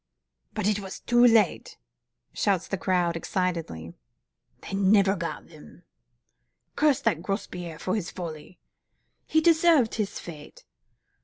"But it was too late!" shouted the crowd, excitedly. "They never got them!" "Curse that Grospierre for his folly!" "He deserved his fate!"